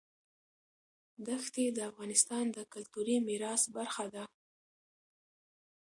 دښتې د افغانستان د کلتوري میراث برخه ده.